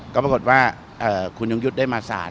ก็ปรากฏว่าคุณยงยุทธ์ได้มาสาร